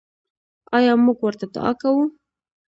آیا موږ ورته دعا کوو؟